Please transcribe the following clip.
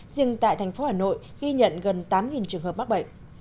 riêng tại thành phố hà nội ghi nhận gần tám trường hợp mắc bệnh